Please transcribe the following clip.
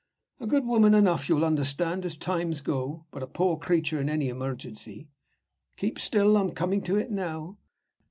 A good woman enough, you will understand, as times go; but a poor creature in any emergency. Keep still, I'm coming to it now.